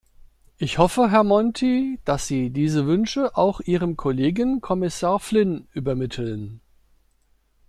Ich hoffe, Herr Monti, dass Sie diese Wünsche auch ihrem Kollegen Kommissar Flynn übermitteln.